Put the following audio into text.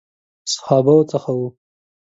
صحابه وو څخه وو.